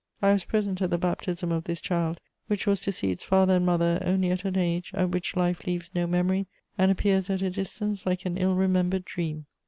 I was present at the baptism of this child, which was to see its father and mother only at an age at which life leaves no memory and appears at a distance like an ill remembered dream.